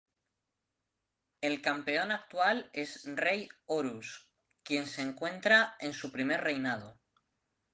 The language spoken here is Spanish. El campeón actual es Rey Horus, quien se encuentra en su primer reinado.